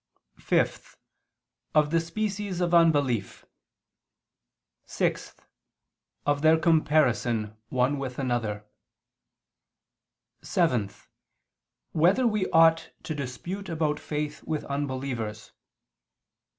(5) Of the species of unbelief; (6) Of their comparison, one with another; (7) Whether we ought to dispute about faith with unbelievers?